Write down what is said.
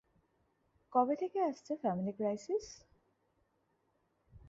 কবে থেকে আসছে ‘ফ্যামিলি ক্রাইসিস’